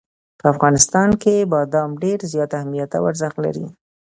په افغانستان کې بادام ډېر زیات اهمیت او ارزښت لري.